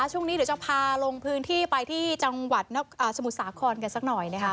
ช่วงนี้เดี๋ยวจะพาลงพื้นที่ไปที่จังหวัดสมุทรสาครกันสักหน่อยนะคะ